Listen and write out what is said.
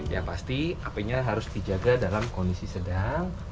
ya pasti apinya harus dijaga dalam kondisi sedang